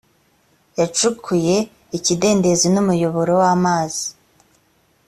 yacukuye ikidendezi n n umuyoboro w amazi